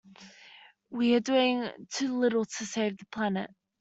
We are doing too little to save the planet.